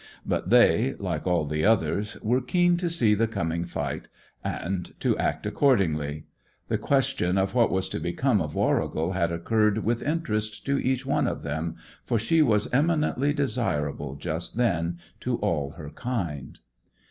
But they, like all the others, were keen to see the coming fight, and to act accordingly. The question of what was to become of Warrigal had occurred with interest to each one of them, for she was eminently desirable just then to all her kind.